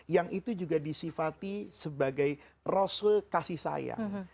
yang itu juga disifati sebagai rasul kasih sayang